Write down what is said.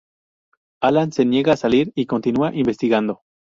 Alan se niega a salir, y continúa investigando.